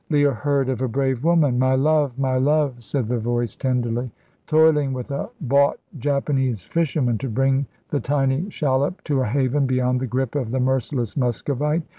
Leah heard of a brave woman "my love my love," said the voice tenderly toiling with a bought Japanese fisherman to bring the tiny shallop to a haven beyond the grip of the merciless Muscovite.